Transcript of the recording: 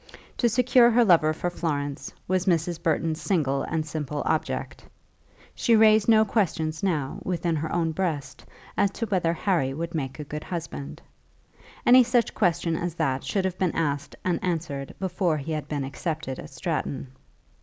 To secure her lover for Florence, was Mrs. Burton's single and simple object. She raised no questions now within her own breast as to whether Harry would make a good husband. Any such question as that should have been asked and answered before he had been accepted at Stratton.